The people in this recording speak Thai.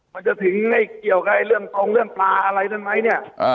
มันจะถึงเกี่ยวกับเรื่องตรงเรื่องปลาอะไรทั้งนั้นไหมเนี่ย